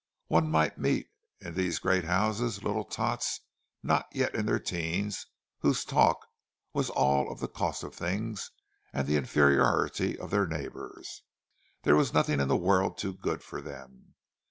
One might meet in these great houses little tots not yet in their teens whose talk was all of the cost of things, and of the inferiority of their neighbours. There was nothing in the world too good for them.